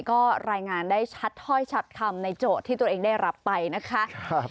ก็รายงานได้ชัดถ้อยชัดคำในโจทย์ที่ตัวเองได้รับไปนะคะ